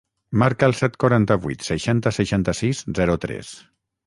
Marca el set, quaranta-vuit, seixanta, seixanta-sis, zero, tres.